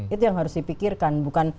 itu yang harus dipikirkan